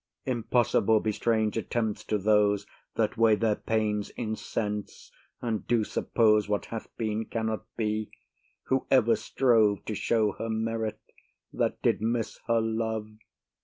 Impossible be strange attempts to those That weigh their pains in sense, and do suppose What hath been cannot be. Who ever strove To show her merit that did miss her love?